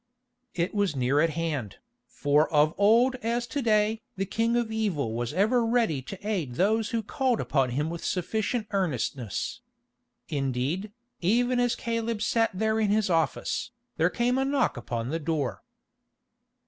It was near at hand, for of old as to day the king of evil was ever ready to aid those who called upon him with sufficient earnestness. Indeed, even as Caleb sat there in his office, there came a knock upon the door.